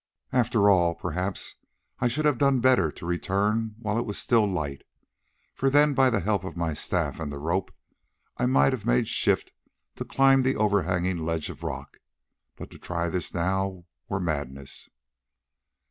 "After all, perhaps I should have done better to return while it was still light, for then, by the help of my staff and the rope, I might have made shift to climb the overhanging ledge of rock, but to try this now were madness.